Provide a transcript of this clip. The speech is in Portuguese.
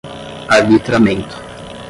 arbitramento